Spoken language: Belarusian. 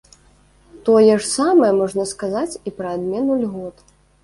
Тое ж самае можна сказаць і пра адмену льгот.